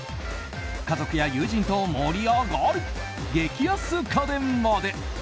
家族や友人と盛り上がる激安家電まで！